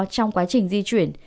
trong quá trình di chuyển